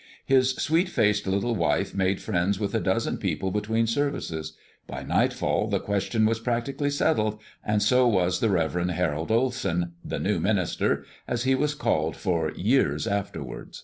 His sweet faced little wife made friends with a dozen people between services; by nightfall the question was practically settled, and so was the Rev. Harold Olsen, "the new minister," as he was called for years afterward.